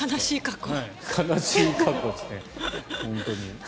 悲しい過去ですね。